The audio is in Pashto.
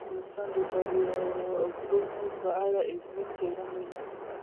افغانستان د دریابونه په اړه علمي څېړنې لري.